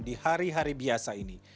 di hari hari biasa ini